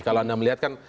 kalau anda melihat kan